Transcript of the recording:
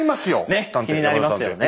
ねっ気になりますよね。